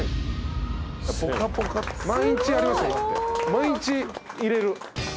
毎日入れる。